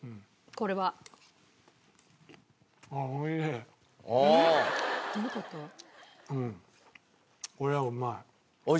これはうまい。